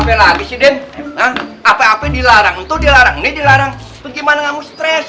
ada apel lagi sih den apa apa dilarang itu dilarang ini dilarang gimana kamu stress